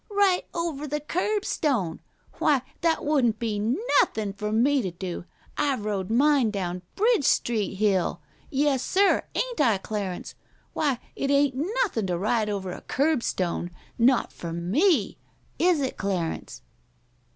"'Right over the curb stone!' Why, that wouldn't be nothin' for me to do! I've rode mine down Bridge Street hill. Yessir! 'Ain't I, Clarence? Why, it ain't nothin' to ride over a curb stone not for me! Is it, Clarence?"